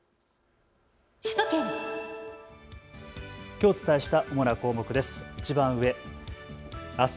きょうお伝えした主な項目です。